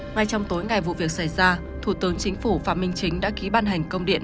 ngay trong tối ngày vụ việc xảy ra thủ tướng chính phủ phạm minh chính đã ký ban hành công điện